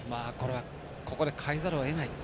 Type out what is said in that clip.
ここで代えざるをえない。